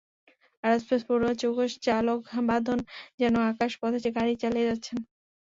অ্যারোস্পেসে পড়ুয়া চৌকস চালক বাঁধন যেন আকাশ পথে গাড়ি চালিয়ে যাচ্ছেন।